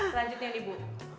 selanjutnya nih bu